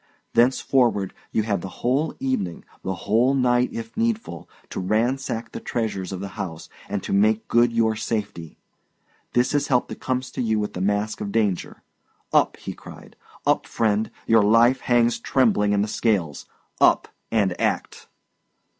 Thenceforward you have the whole evening the whole night, if needful to ransack the treasures of the house and to make good your safety. This is help that comes to you with the mask of danger. Up!" he cried; "up, friend. Your life hangs trembling in the scales; up, and act!"